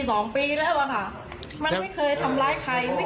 ตอนนี้ขอเอาผิดถึงที่สุดยืนยันแบบนี้